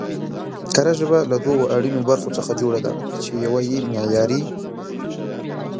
کره ژبه له دوو اړينو برخو څخه جوړه ده، چې يوه يې معياري